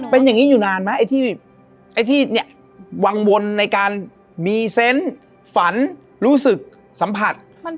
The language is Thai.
เป็นอย่างนี้อยู่นานไหมไอ้ที่เนี่ยวังวลในการมีเซนต์ฝันรู้สึกสัมผัส